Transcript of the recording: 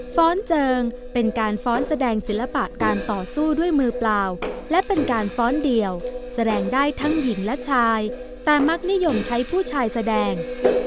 ้อนเจิงเป็นการฟ้อนแสดงศิลปะการต่อสู้ด้วยมือเปล่าและเป็นการฟ้อนเดียวแสดงได้ทั้งหญิงและชายแต่มักนิยมใช้ผู้ชายแสดง